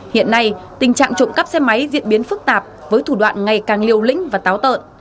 hiện nay tình trạng trộm cắp xe máy diễn biến phức tạp với thủ đoạn ngày càng liều lĩnh và táo tợn